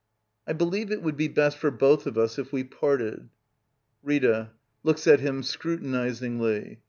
] I believe it would be best for both of us if we parted. RXTA. [Looks at him scrutinizingly.